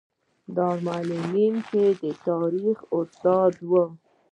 په دارالمعلمین کې د تاریخ استاد و.